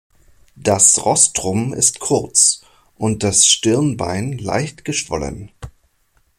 Das Rostrum ist kurz und das Stirnbein leicht geschwollen.